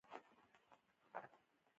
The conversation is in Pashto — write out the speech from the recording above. پنځه جایزې وګټلې